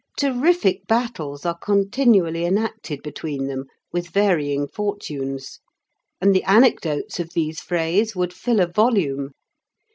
Terrific battles are continually enacted between them with varying fortunes, and the anecdotes of these frays would fill a volume.